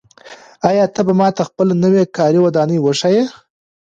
آیا ته به ماته خپله نوې کاري ودانۍ وښایې؟